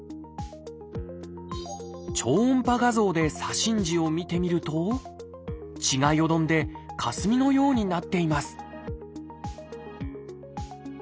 超音波画像で左心耳を見てみると血がよどんでかすみのようになっています